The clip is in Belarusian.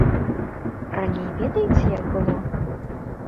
Раней ведаеце, як было?